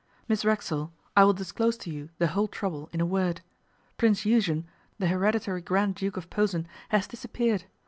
Miss Racksole, I will disclose to you the whole trouble in a word. Prince Eugen, the hereditary Grand Duke of Posen, has disappeared.